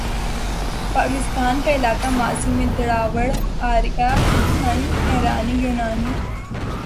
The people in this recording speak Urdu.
پاکستان کا علاقہ ماضی میں دراوڑ، آریا، ہن، ایرانی، یونانی،